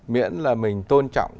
miễn là mình tôn trọng